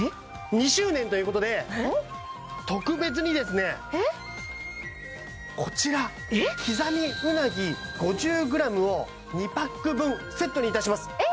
２周年ということで特別にですねこちら刻みうなぎ５０ｇを２パック分セットにいたします